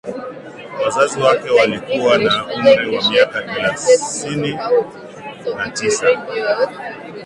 wazazi wake walikuwa na umri wa miaka thelasini na tisa